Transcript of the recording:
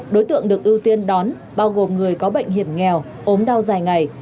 đối tượng được ưu tiên đón bao gồm người có bệnh hiểm nghèo ốm đau dài ngày